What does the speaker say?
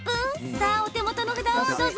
さあ、お手元の札をどうぞ。